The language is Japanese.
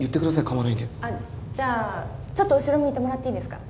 構わないんであっじゃあちょっと後ろ向いてもらっていいですか？